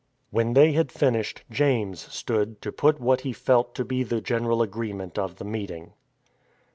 When they had finished, James stood to put what he felt to be the general agreement of the meeting.